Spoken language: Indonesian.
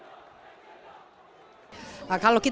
kepada pemerintah penyelesaian konflik adalah peran yang sangat penting